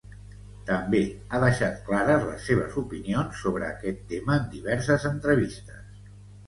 També ha deixat clares les seves opinions sobre aquest tema en diverses entrevistes.